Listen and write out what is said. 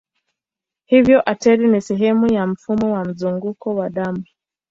Hivyo ateri ni sehemu ya mfumo wa mzunguko wa damu.